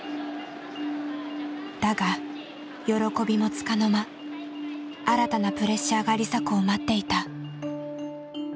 だが喜びもつかの間新たなプレッシャーが梨紗子を待っていた。